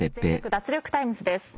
脱力タイムズ』です。